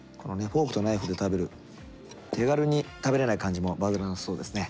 フォークとナイフで食べる手軽に食べれない感じもバズらなさそうですね。